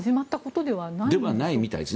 ではないみたいですね。